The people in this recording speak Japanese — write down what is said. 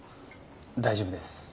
大丈夫です。